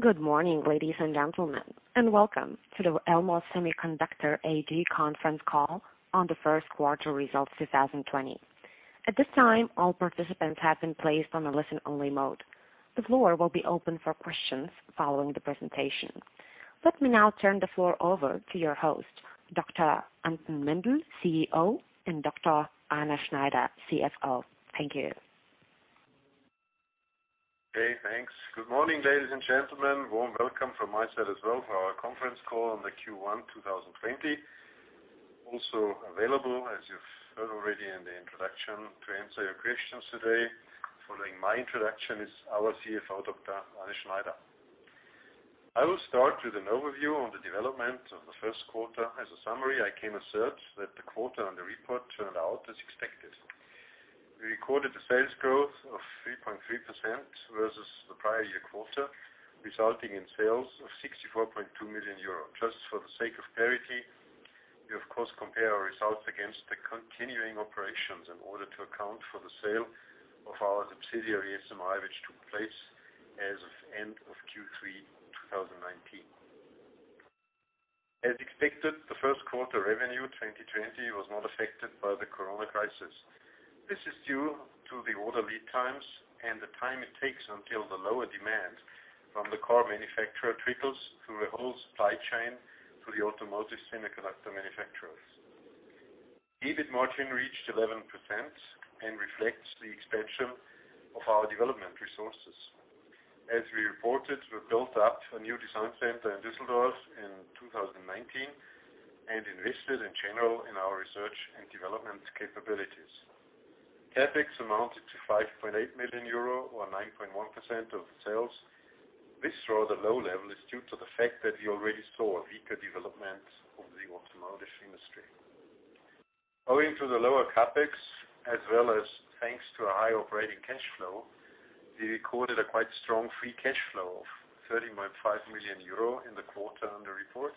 Good morning, ladies and gentlemen, Welcome to the Elmos Semiconductor AG conference call on the first quarter results 2020. At this time, all participants have been placed on a listen-only mode. The floor will be open for questions following the presentation. Let me now turn the floor over to your host, Dr. Anton Mindl, CEO, and Dr. Arne Schneider, CFO. Thank you. Hey, thanks. Good morning, ladies and gentlemen. Warm welcome from my side as well for our conference call on the Q1 2020. Also available, as you've heard already in the introduction, to answer your questions today following my introduction is our CFO, Dr. Arne Schneider. I will start with an overview on the development of the first quarter. As a summary, I can assert that the quarter on the report turned out as expected. We recorded a sales growth of 3.3% versus the prior year quarter, resulting in sales of 64.2 million euros. Just for the sake of clarity, we of course compare our results against the continuing operations in order to account for the sale of our subsidiary, SMI, which took place as of end of Q3 2019. As expected, the first quarter revenue 2020 was not affected by the Coronavirus crisis. This is due to the order lead times and the time it takes until the lower demand from the car manufacturer trickles through the whole supply chain to the automotive semiconductor manufacturers. EBIT margin reached 11% and reflects the expansion of our development resources. As we reported, we built up a new design center in Düsseldorf in 2019 and invested in general in our research and development capabilities. CapEx amounted to 5.8 million euro, or 9.1% of sales. This rather low level is due to the fact that we already saw a weaker development of the automotive industry. Owing to the lower CapEx as well as thanks to a high operating cash flow, we recorded a quite strong free cash flow of 30.5 million euro in the quarter under report.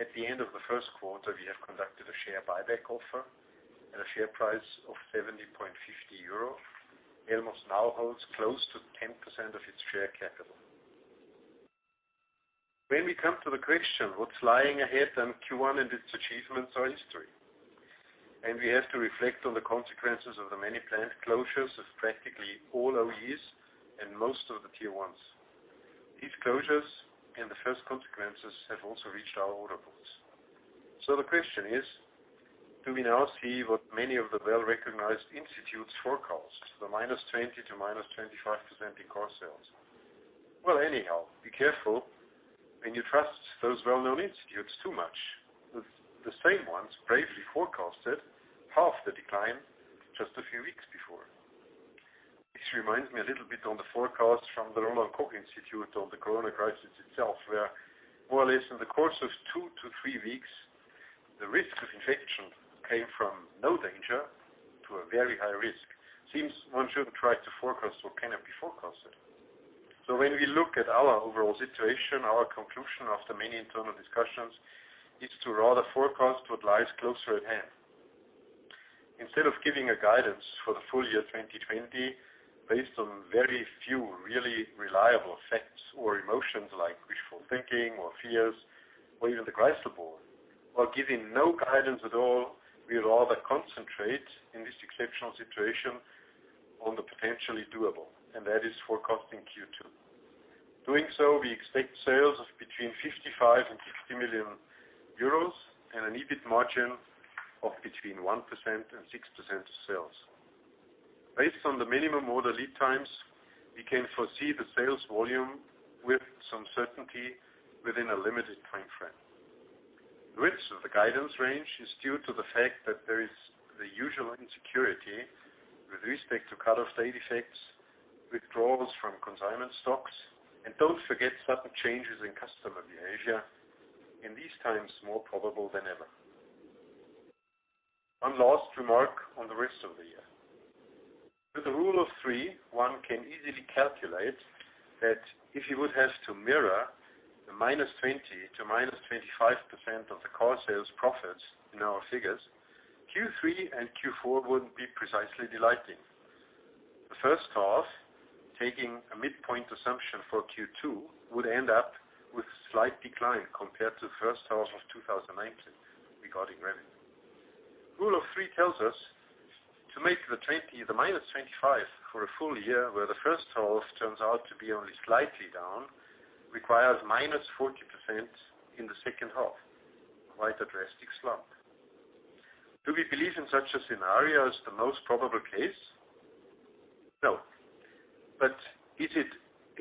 At the end of the first quarter, we have conducted a share buyback offer at a share price of 70.50 euro. Elmos now holds close to 10% of its share capital. When we come to the question, what's lying ahead and Q1 and its achievements are history, and we have to reflect on the consequences of the many plant closures of practically all OEs and most of the Tier 1s. These closures and the first consequences have also reached our order books. The question is, do we now see what many of the well-recognized institutes forecast, the -20% to -25% in core sales? Well, anyhow, be careful when you trust those well-known institutes too much. The same ones bravely forecasted half the decline just a few weeks before. This reminds me a little bit on the forecast from the Robert Koch Institute on the Corona crisis itself, where more or less in the course of two to three weeks, the risk of infection came from no danger to a very high risk. Seems one shouldn't try to forecast what cannot be forecasted. When we look at our overall situation, our conclusion after many internal discussions is to rather forecast what lies closer at hand. Instead of giving a guidance for the full year 2020 based on very few really reliable facts or emotions like wishful thinking or fears or even the crisis board, while giving no guidance at all, we would rather concentrate in this exceptional situation on the potentially doable, and that is forecasting Q2. Doing so, we expect sales of between 55 million euros and 60 million euros and an EBIT margin of between 1% and 6% of sales. Based on the minimum order lead times, we can foresee the sales volume with some certainty within a limited time frame. The risks of the guidance range is due to the fact that there is the usual insecurity with respect to cut-off date effects, withdrawals from consignment stocks, don't forget sudden changes in customer behavior, in these times, more probable than ever. One last remark on the rest of the year. With the rule of three, one can easily calculate that if you would have to mirror the -20% to -25% of the core sales profits in our figures, Q3 and Q4 wouldn't be precisely delighting. The first half, taking a midpoint assumption for Q2, would end up with slight decline compared to first half of 2019 regarding revenue. Rule of three tells us to make the -25% for a full year where the first half turns out to be only slightly down, requires -40% in the second half. Quite a drastic slump. Do we believe in such a scenario as the most probable case? No. Is it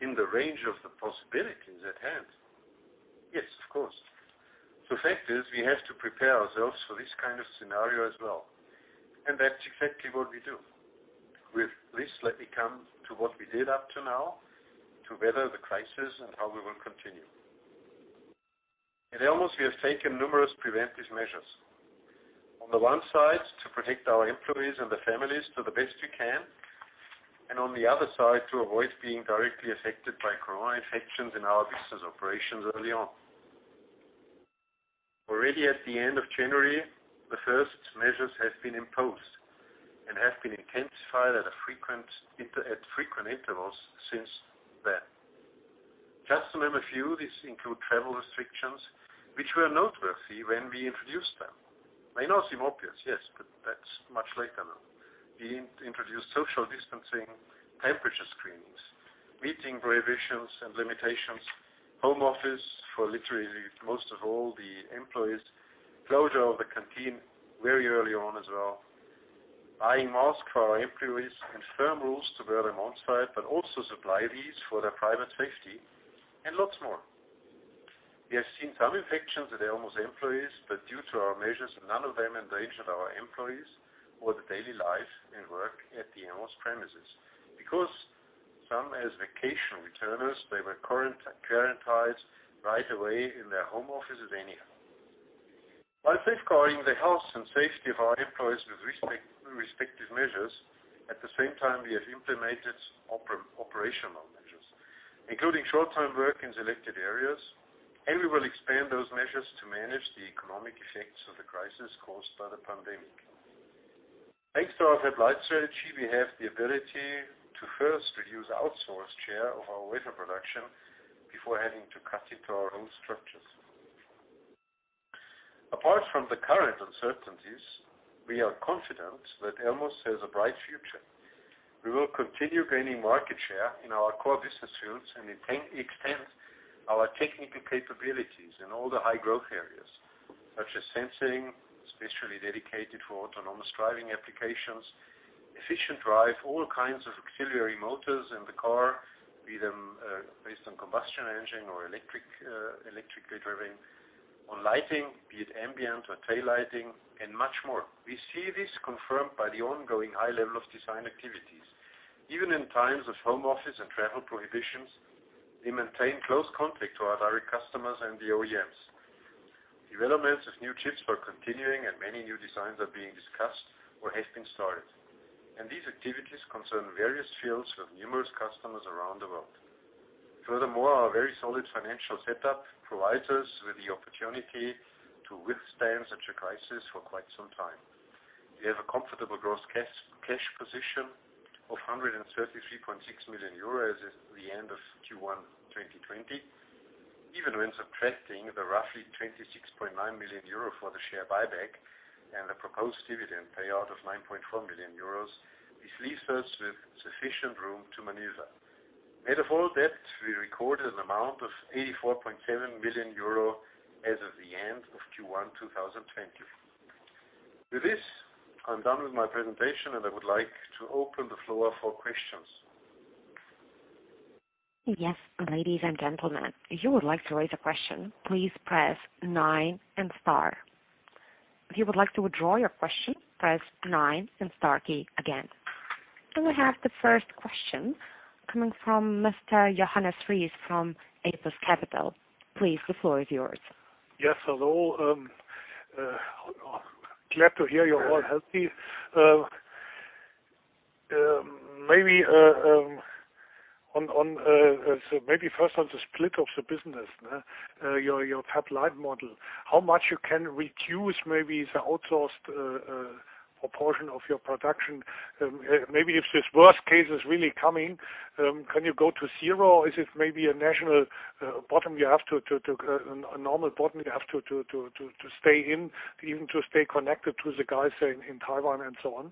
in the range of the possibilities at hand? Yes, of course. The fact is we have to prepare ourselves for this kind of scenario as well, and that's exactly what we do. With this, let me come to what we did up to now to weather the crisis and how we will continue. At Elmos, we have taken numerous preventive measures. On the one side, to protect our employees and their families to the best we can, and on the other side, to avoid being directly affected by Corona infections in our business operations early on. Already at the end of January, the first measures have been imposed and have been intensified at frequent intervals since then. Just to name a few, these include travel restrictions, which were noteworthy when we introduced them. It may not seem obvious, yes, but that's much later now. We introduced social distancing, temperature screenings, meeting prohibitions and limitations, home office for literally most of all the employees, closure of the canteen very early on as well, buying masks for our employees and firm rules to wear them on site, but also supply these for their private safety, and lots more. We have seen some infections at the Elmos employees, but due to our measures, none of them endangered our employees or the daily life and work at the Elmos premises. Some as vacation returners, they were quarantined right away in their home offices anyhow. By safeguarding the health and safety of our employees with respective measures, at the same time, we have implemented operational measures, including short-term work in selected areas, and we will expand those measures to manage the economic effects of the crisis caused by the pandemic. Thanks to our fab-lite strategy, we have the ability to first reduce outsourced share of our wafer production before having to cut into our own structures. Apart from the current uncertainties, we are confident that Elmos has a bright future. We will continue gaining market share in our core business fields and extend our technical capabilities in all the high-growth areas, such as sensing, especially dedicated for autonomous driving applications, efficient drive, all kinds of auxiliary motors in the car, be them based on combustion engine or electrically driven, on lighting, be it ambient or tail lighting, and much more. We see this confirmed by the ongoing high level of design activities. Even in times of home office and travel prohibitions, we maintain close contact to our direct customers and the OEMs. Developments of new chips are continuing and many new designs are being discussed or have been started. These activities concern various fields with numerous customers around the world. Furthermore, our very solid financial setup provides us with the opportunity to withstand such a crisis for quite some time. We have a comfortable gross cash position of 133.6 million euros at the end of Q1 2020. Even when subtracting the roughly 26.9 million euro for the share buyback and the proposed dividend payout of 9.4 million euros, this leaves us with sufficient room to maneuver. Net of all debt, we recorded an amount of 84.7 million euro as of the end of Q1 2020. With this, I'm done with my presentation, and I would like to open the floor for questions. Yes, ladies and gentlemen. If you would like to raise a question, please press nine and star. If you would like to withdraw your question, press nine and star key again. We have the first question coming from Mr. Johannes Ries from Apus Capital. Please, the floor is yours. Hello. Glad to hear you're all healthy. First on the split of the business, your fab-lite model. How much you can reduce, maybe, the outsourced proportion of your production? If this worst case is really coming, can you go to zero, or is it maybe a national bottom you have to stay in, even to stay connected to the guys in Taiwan and so on?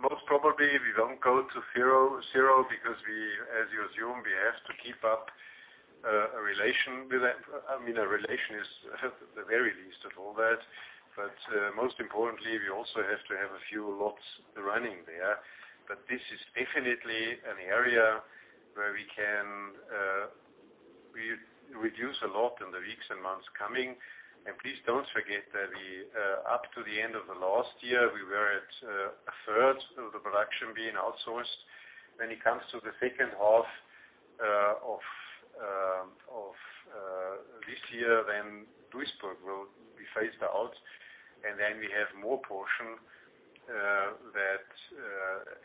Most probably, we don't go to zero because, as you assume, we have to keep up a relation with them. A relation is the very least of all that. Most importantly, we also have to have a few lots running there. This is definitely an area where we can reduce a lot in the weeks and months coming. Please don't forget that up to the end of the last year, we were at a third of the production being outsourced. When it comes to the second half of this year, then Duisburg will be phased out, and then we have more portion that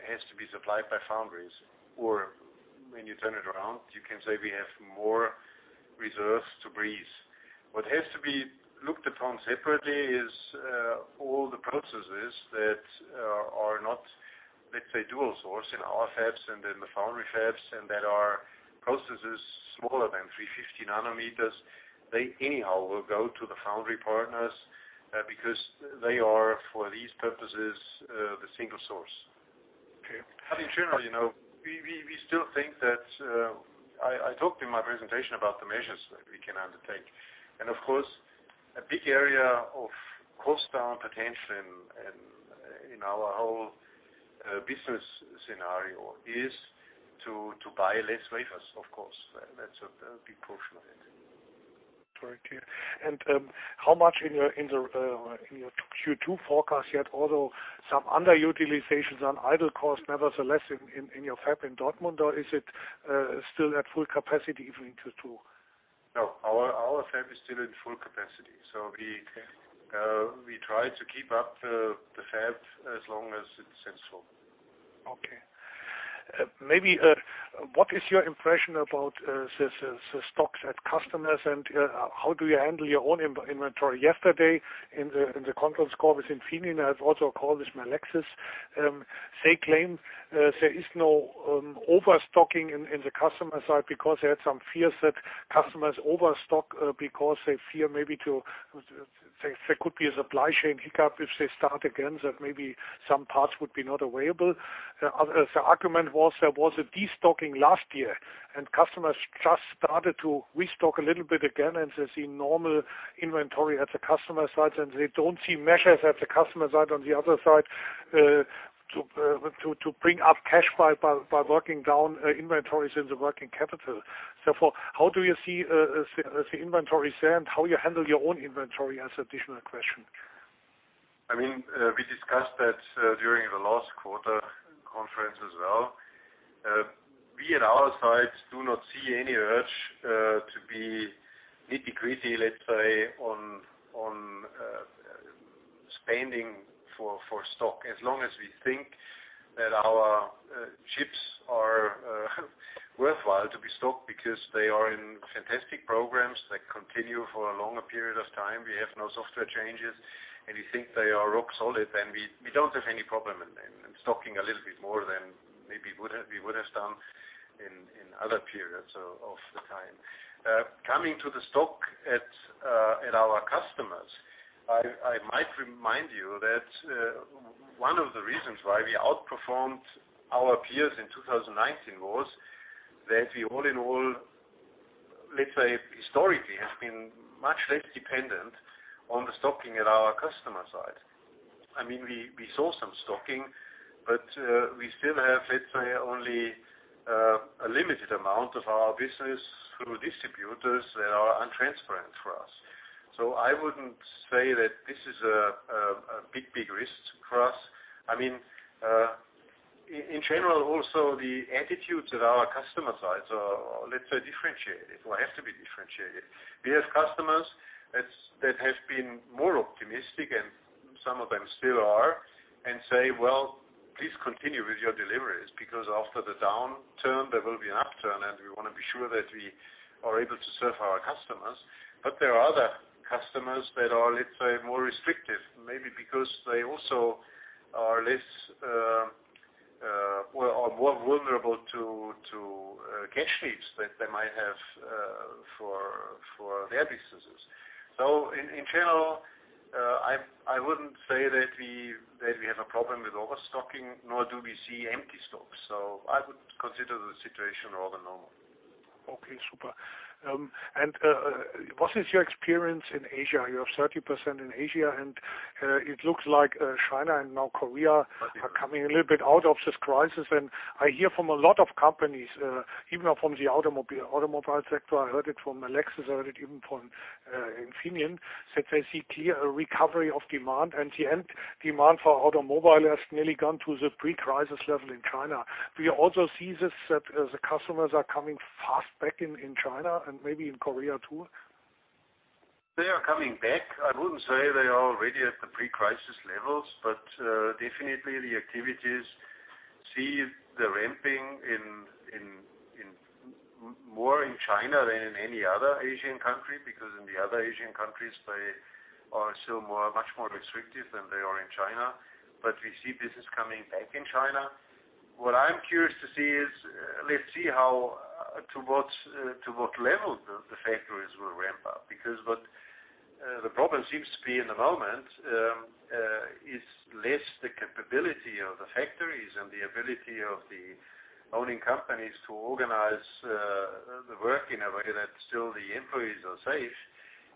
has to be supplied by foundries. When you turn it around, you can say we have more reserves to breathe. What has to be looked upon separately is all the processes that are not, let's say, dual source in our fabs and in the foundry fabs, and that are processes smaller than 350 nanometers. They anyhow will go to the foundry partners, because they are, for these purposes, the single source. Okay. In general, we still think. I talked in my presentation about the measures that we can undertake. Of course, a big area of cost down potential in our whole business scenario is to buy less wafers, of course. That's a big portion of it. Very clear. How much in your Q2 forecast, yet although some underutilizations on idle cost, nevertheless, in your fab in Dortmund? Or is it still at full capacity even into two? No, our fab is still at full capacity. We try to keep up the fab as long as it's sensible. Maybe, what is your impression about the stocks at customers, and how do you handle your own inventory? Yesterday in the conference call with Infineon, I also called with Melexis. They claim there is no overstocking in the customer side because they had some fears that customers overstock because they fear maybe there could be a supply chain hiccup if they start again, that maybe some parts would be not available. The argument was there was a de-stocking last year and customers just started to restock a little bit again, and they see normal inventory at the customer side, and they don't see measures at the customer side on the other side to bring up cash by working down inventories in the working capital. How do you see the inventory stand? How you handle your own inventory as additional question? We discussed that during the last quarter conference as well. We, at our side, do not see any urge to be nitty gritty, let's say, on spending for stock. As long as we think that our chips are worthwhile to be stocked because they are in fantastic programs that continue for a longer period of time, we have no software changes, and we think they are rock solid, then we don't have any problem in stocking a little bit more than maybe we would have done in other periods of the time. Coming to the stock at our customers, I might remind you that one of the reasons why we outperformed our peers in 2019 was that we, all in all, let's say historically, have been much less dependent on the stocking at our customer side. We saw some stocking, but we still have, let's say, only a limited amount of our business through distributors that are untransparent for us. I wouldn't say that this is a big risk for us. In general, also the attitudes at our customer sides are, let's say, differentiated or have to be differentiated. We have customers that have been more optimistic and some of them still are and say, "Well, please continue with your deliveries because after the downturn there will be an upturn and we want to be sure that we are able to serve our customers." There are other customers that are, let's say, more restrictive, maybe because they also are more vulnerable to cash leaks that they might have for their businesses. In general, I wouldn't say that we have a problem with overstocking, nor do we see empty stocks. I would consider the situation rather normal. Okay, super. What is your experience in Asia? You have 30% in Asia and it looks like China and now Korea are coming a little bit out of this crisis. I hear from a lot of companies, even from the automobile sector, I heard it from Melexis, I heard it even from Infineon, that they see clear recovery of demand and the end demand for automobile has nearly gone to the pre-crisis level in China. Do you also see this that the customers are coming fast back in China and maybe in Korea, too? They are coming back. I wouldn't say they are already at the pre-crisis levels, but definitely the activities see the ramping more in China than in any other Asian country because in the other Asian countries, they are still much more restrictive than they are in China. We see business coming back in China. What I'm curious to see is, let's see to what level the factories will ramp up. What the problem seems to be in the moment is less the capability of the factories and the ability of the owning companies to organize the work in a way that still the employees are safe.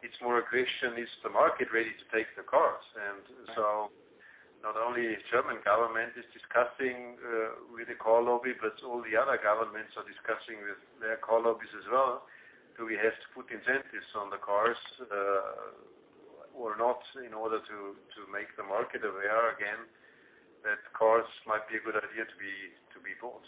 It's more a question, is the market ready to take the cars? Not only German government is discussing with the car lobby, but all the other governments are discussing with their car lobbies as well. Do we have to put incentives on the cars or not in order to make the market aware again that cars might be a good idea to be bought?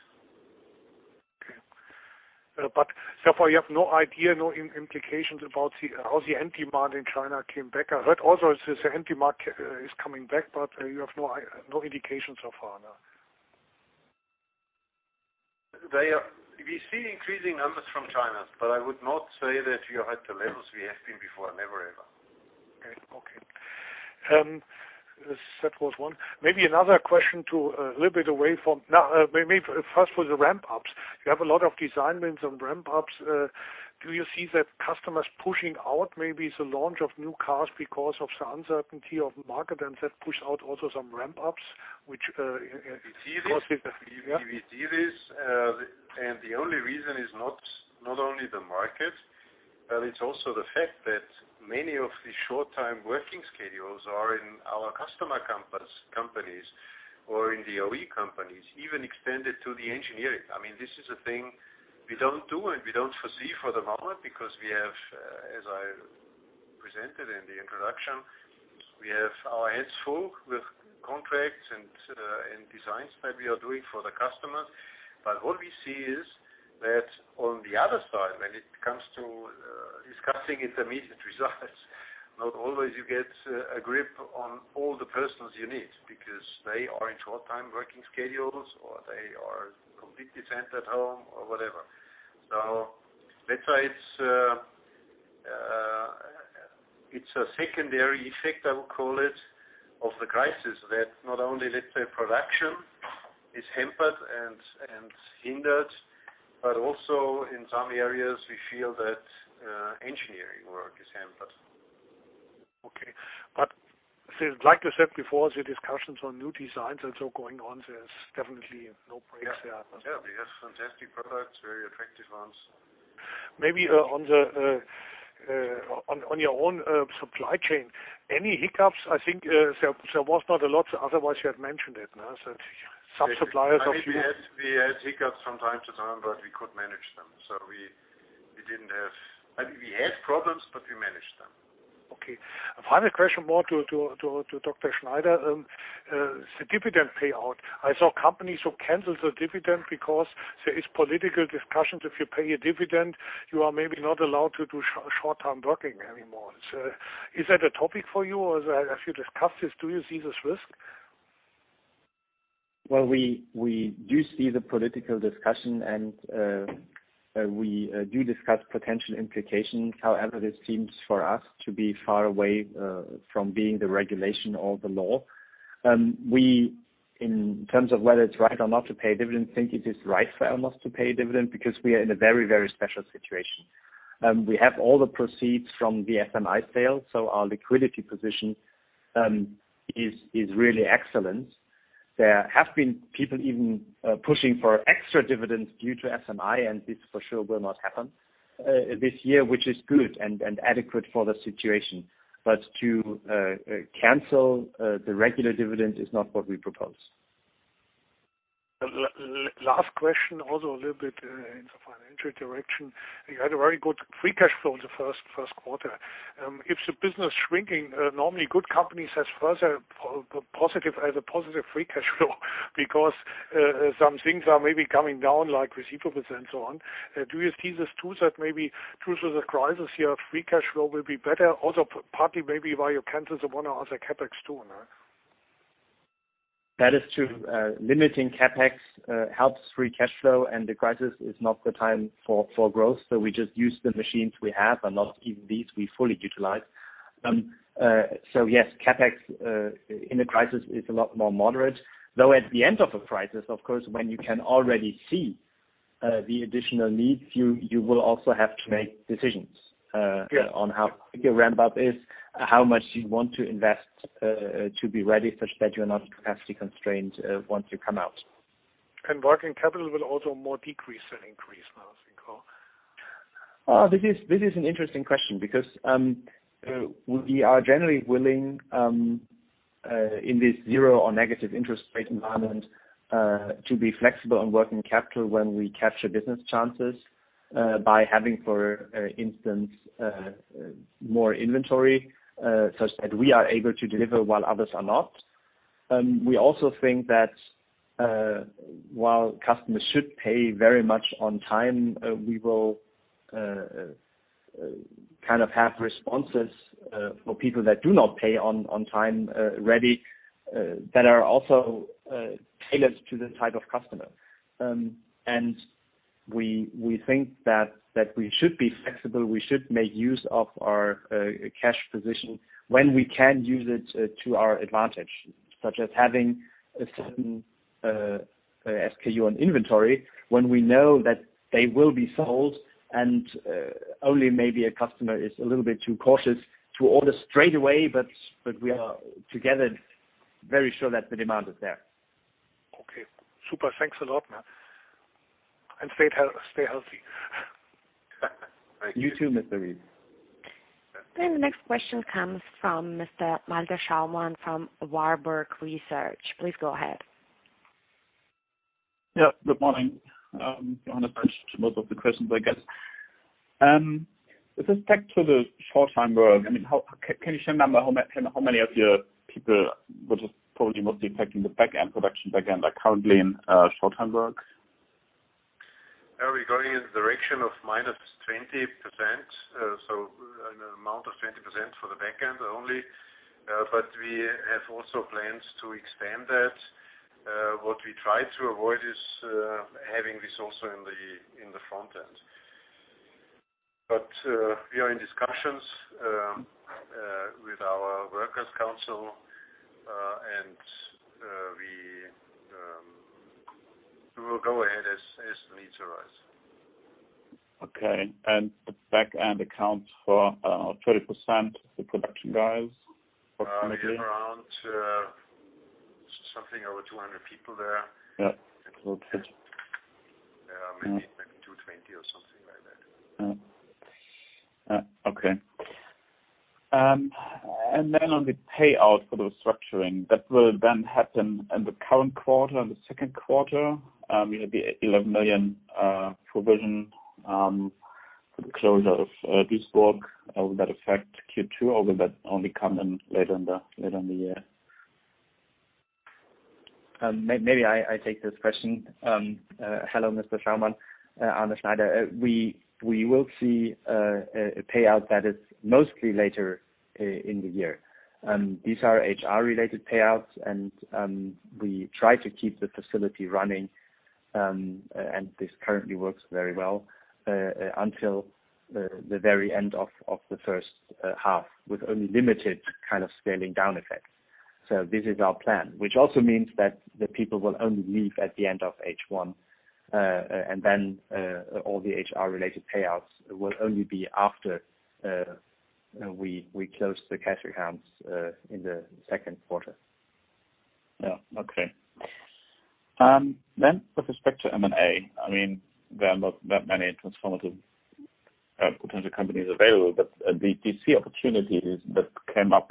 Okay. Therefore you have no idea, no implications about how the end demand in China came back. I heard also the end demand is coming back, but you have no indication so far now. We see increasing numbers from China, but I would not say that we are at the levels we have been before. Never ever. Okay. That was one. Maybe another question. Maybe first for the ramp-ups. You have a lot of design wins and ramp-ups. Do you see that customers pushing out maybe the launch of new cars because of the uncertainty of market and that push out also some ramp-ups? We see this. The only reason is not only the market, but it's also the fact that many of the short time working schedules are in our customer companies or in the OE companies, even extended to the engineering. This is a thing we don't do and we don't foresee for the moment because we have, as I presented in the introduction, we have our heads full with contracts and designs that we are doing for the customers. What we see is that on the other side, when it comes to discussing its immediate results. Not always you get a grip on all the persons you need because they are in short-time working schedules, or they are completely sent at home or whatever. Let's say it's a secondary effect, I will call it, of the crisis that not only let's say production is hampered and hindered, but also in some areas we feel that engineering work is hampered. Okay. Like you said before, the discussions on new designs and so going on, there's definitely no breaks there. Yeah. We have fantastic products, very attractive ones. Maybe on your own supply chain, any hiccups? I think there was not a lot, otherwise you had mentioned it. We had hiccups from time to time, but we could manage them. We had problems, but we managed them. Okay. A final question more to Dr. Schneider. The dividend payout. I saw companies who canceled the dividend because there is political discussions. If you pay a dividend, you are maybe not allowed to do short-term working anymore. Is that a topic for you, or as you discussed this, do you see this risk? Well, we do see the political discussion and we do discuss potential implications. However, this seems for us to be far away from being the regulation or the law. We, in terms of whether it's right or not to pay dividends, think it is right for Elmos to pay a dividend because we are in a very special situation. We have all the proceeds from the SMI sale, so our liquidity position is really excellent. There have been people even pushing for extra dividends due to SMI, and this for sure will not happen this year, which is good and adequate for the situation. To cancel the regular dividend is not what we propose. Last question, also a little bit in the financial direction. You had a very good free cash flow in the first quarter. If the business shrinking, normally good companies have a positive free cash flow because some things are maybe coming down like receivables and so on. Do you see this too, that maybe through the crisis year, free cash flow will be better also partly maybe why you cancel one or other CapEx too? That is true. Limiting CapEx helps free cash flow, and the crisis is not the time for growth. We just use the machines we have and not even these we fully utilize. Yes, CapEx in the crisis is a lot more moderate. At the end of a crisis, of course, when you can already see the additional needs, you will also have to make decisions. Yeah on how quick your ramp up is, how much you want to invest to be ready such that you're not capacity constrained once you come out. Working capital will also more decrease than increase now I think. This is an interesting question because, we are generally willing, in this zero or negative interest rate environment, to be flexible on working capital when we capture business chances, by having, for instance, more inventory, such that we are able to deliver while others are not. We also think that, while customers should pay very much on time, we will kind of have responses, for people that do not pay on time, ready, that are also tailored to the type of customer. We think that we should be flexible. We should make use of our cash position when we can use it to our advantage, such as having a certain SKU on inventory when we know that they will be sold and, only maybe a customer is a little bit too cautious to order straight away, but we are together very sure that the demand is there. Okay. Super. Thanks a lot. Stay healthy. Thank you. You too, Mr. Ries. The next question comes from Mr. Malte Schaumann from Warburg Research. Please go ahead. Yeah. Good morning. You want to answer most of the questions, I guess. Just back to the short-time work. Can you share a number, how many of your people, which is probably mostly affecting the back-end production, are currently in short-time work? We're going in the direction of -20%, so an amount of 20% for the back end only. We have also plans to expand that. What we try to avoid is having this also in the front end. We are in discussions with our workers council, and we will go ahead as the needs arise. Okay. The back end accounts for 30% of the production guys, approximately? We are around something over 200 people there. Yeah. Maybe expecting 220 or something like that. Okay. On the payout for the structuring, that will then happen in the current quarter and the second quarter? You have the 11 million provision for the closure of Duisburg. Will that affect Q2, or will that only come in later in the year? Maybe I take this question. Hello, Mr. Schaumann. Arne Schneider. We will see a payout that is mostly later in the year. These are HR-related payouts, and we try to keep the facility running, and this currently works very well until the very end of the first half, with only limited scaling down effects. This is our plan, which also means that the people will only leave at the end of H1, and then all the HR-related payouts will only be after we close the cash accounts in the second quarter. Yeah. Okay. With respect to M&A, there are not that many transformative potential companies available, but do you see opportunities that came up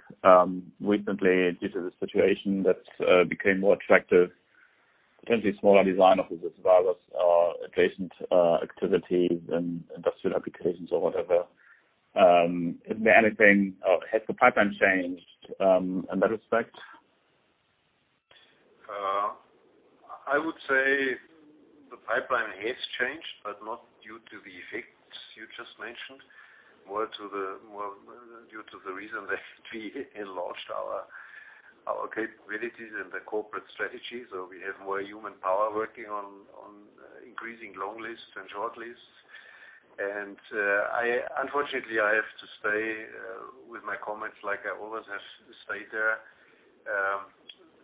recently due to the situation that became more attractive, potentially smaller design offices, virus-adjacent activities and industrial applications or whatever. Has the pipeline changed in that respect? I would say the pipeline has changed, but not due to the effects you just mentioned. More due to the reason that we enlarged our capabilities and the corporate strategy. We have more human power working on increasing long lists and short lists. Unfortunately, I have to stay with my comments like I always have stayed there.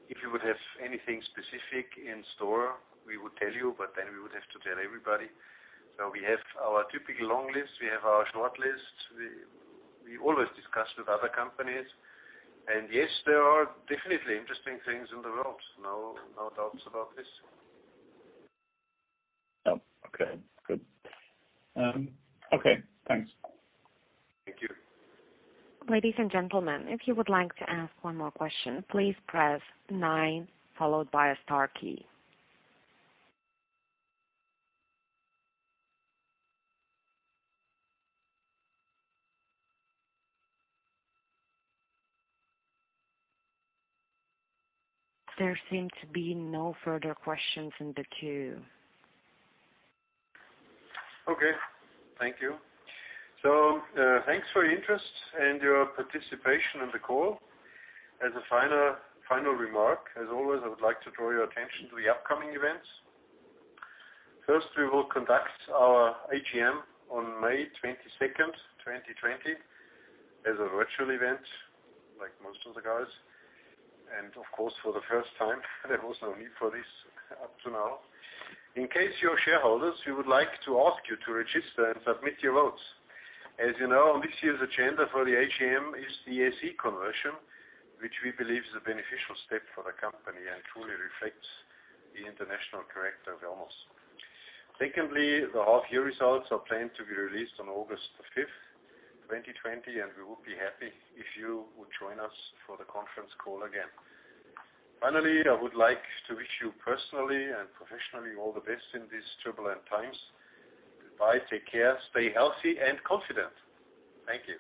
If you would have anything specific in store, we would tell you, but then we would have to tell everybody. We have our typical long lists, we have our short lists. We always discuss with other companies. Yes, there are definitely interesting things in the world. No doubts about this. Okay, good. Okay. Thanks. Thank you. Ladies and gentlemen, if you would like to ask one more question, please press nine followed by a star key. There seem to be no further questions in the queue. Okay. Thank you. Thanks for your interest and your participation in the call. As a final remark, as always, I would like to draw your attention to the upcoming events. First, we will conduct our AGM on May 22nd, 2020, as a virtual event, like most of the guys, and of course, for the first time. There was no need for this up to now. In case you're shareholders, we would like to ask you to register and submit your votes. As you know, this year's agenda for the AGM is the SE conversion, which we believe is a beneficial step for the company and truly reflects the international character of Elmos. Secondly, the half year results are planned to be released on August the 5th, 2020, and we would be happy if you would join us for the conference call again. Finally, I would like to wish you personally and professionally all the best in these turbulent times. Goodbye. Take care, stay healthy and confident. Thank you.